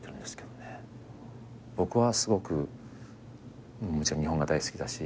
僕はすごくもちろん日本が大好きだし。